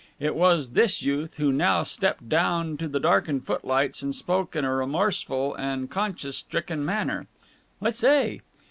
It was this youth who now stepped down to the darkened footlights and spoke in a remorseful and conscience stricken manner. "I say!"